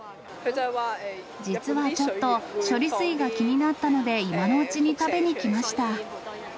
実はちょっと、処理水が気になったので、今のうちに食べに来ました。